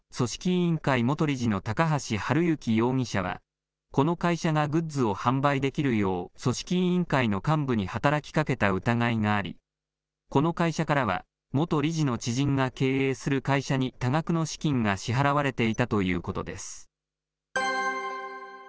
委員会元理事の高橋治之容疑者は、この会社がグッズを販売できるよう、組織委員会の幹部に働きかけた疑いがあり、この会社からは、元理事の知人が経営する会社に多額の資金が支払われていたということです。